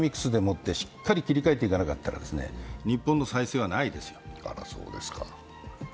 脱アベノミクスでもってしっかり切り替えていかなければ日本の再生はないですよ。